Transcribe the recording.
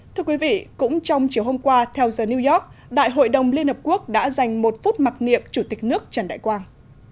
thưa quý vị cũng trong chiều hôm qua theo giờ new york đại hội đồng liên hợp quốc đã dành một phút mặc niệm chủ tịch nước trần đại quang